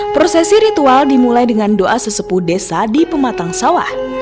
prosesi ritual dimulai dengan doa sesepuh desa di pematang sawah